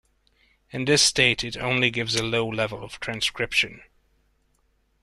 In this state, it only gives a low level of transcription.